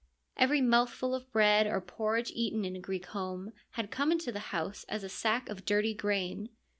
Every mouthful of bread or porridge eaten in a Greek home had come into the house as a sack of dirty grain.